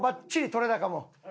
撮れ高も。